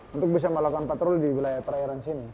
untuk bisa melakukan patroli di wilayah perairan sini